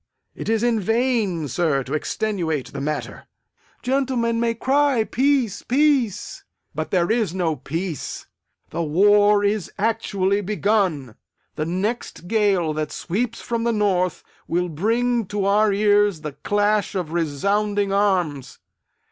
It is in vain, sir, to extenuate the matter. Gentlemen may cry, Peace, peace! but there is no peace. The war is actually begun! The next gale that sweeps from the north will bring to our ears the clash of resounding arms!